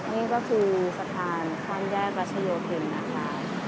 นี่ก็คือสะพานข้ามแยกรัชโยธินนะคะ